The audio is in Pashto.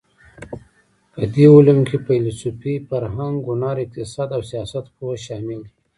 په دې علومو کې فېلسوفي، فرهنګ، هنر، اقتصاد او سیاستپوهه شامل دي.